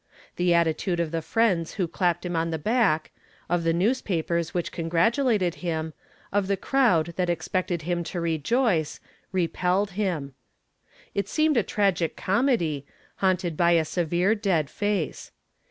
The attitude of the friends who clapped him on the back, of the newspapers which congratulated him, of the crowd that expected him to rejoice, repelled him. It seemed a tragic comedy, haunted by a severe dead face.